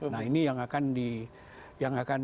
nah ini yang akan